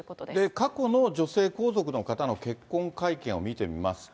過去の女性皇族の方の結婚会見を見てみますと。